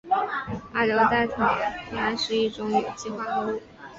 二硫代草酰胺是一种有机化合物。